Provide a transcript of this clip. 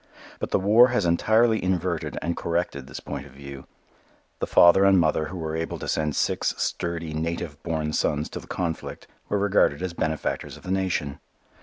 But the war has entirely inverted and corrected this point of view. The father and mother who were able to send six sturdy, native born sons to the conflict were regarded as benefactors of the nation.